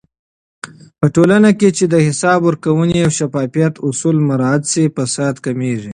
په ټولنه کې چې د حساب ورکونې او شفافيت اصول مراعات شي، فساد کمېږي.